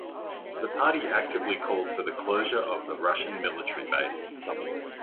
The party actively calls for the closure of the Russian military base.